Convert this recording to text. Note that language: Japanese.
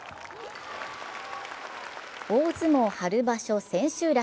大相撲春場所千秋楽。